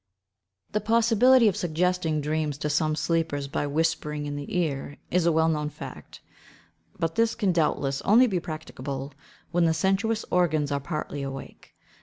The possibility of suggesting dreams to some sleepers by whispering in the ear, is a well known fact; but this can doubtless only be practicable where the sensuous organs are partly awake.